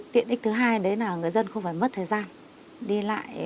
tiện ích thứ hai đấy là người dân không phải mất thời gian đi lại